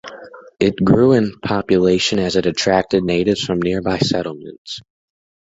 It grew in population as it attracted natives from nearby settlements.